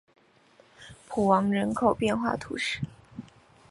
普昂人口变化图示